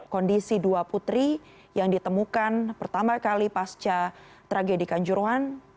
kondisi dua putri yang ditemukan pertama kali pasca tragedi kanjuruhan